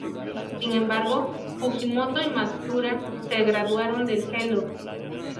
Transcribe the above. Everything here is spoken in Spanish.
Sin embargo; Fujimoto y Matsuura se graduaron del Hello!